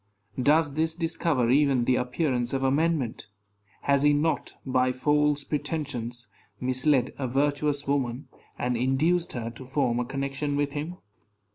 Does this discover even the appearance of amendment? Has he not, by false pretensions, misled a virtuous woman, and induced her to form a connection with him?